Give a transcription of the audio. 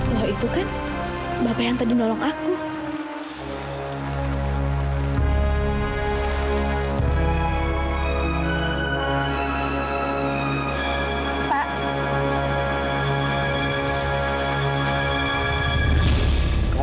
tadi kan bapak udah nolong saya